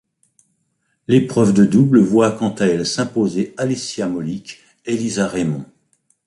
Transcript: L'épreuve de double voit quant à elle s'imposer Alicia Molik et Lisa Raymond.